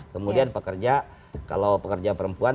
kemudian pekerja kalau pekerja perempuan